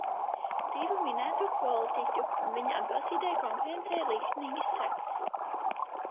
Divu minēto politiķu un viņu atbalstītāju konkurencei ir liktenīgas sekas.